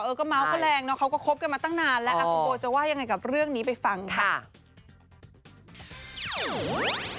ก็เมาส์ก็แรงเนาะเขาก็คบกันมาตั้งนานแล้วคุณโบจะว่ายังไงกับเรื่องนี้ไปฟังค่ะ